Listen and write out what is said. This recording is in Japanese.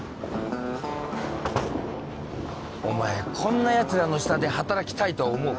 お前こんなやつらの下で働きたいと思うか？